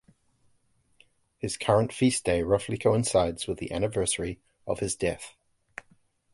His current feast day roughly coincides with the anniversary of his death.